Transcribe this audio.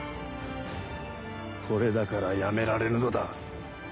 これだからやめられぬのだ。